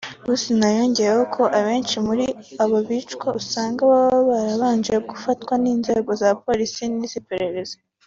Hussein yongeyeho ko abenshi muri abo bicwa usanga baba barabanje gufatwa n’inzego za polisi n’iz’iperereza